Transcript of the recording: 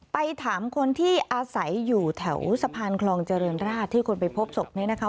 ไปถามคนที่อาศัยอยู่แถวสะพานคลองเจริญราชที่คนไปพบศพนี้นะคะ